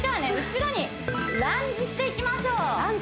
後ろにランジしていきましょう